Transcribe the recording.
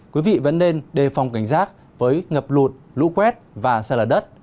quý vị vẫn nên đề phòng cảnh giác với ngập lụt lũ quét và xa lở đất